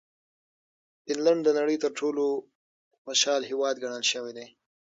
فنلنډ د نړۍ تر ټولو خوشحاله هېواد ګڼل شوی دی.